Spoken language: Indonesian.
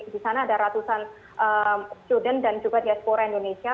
disana ada ratusan student dan juga diaspora indonesia